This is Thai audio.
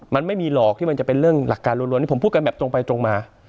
มันไม่มีหรอกที่มันจะเป็นเรื่องหลักการรวมนี่ผมพูดกันแบบตรงไปตรงมา